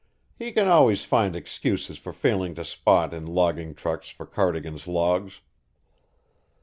He can always find excuses for failing to spot in logging trucks for Cardigan's logs.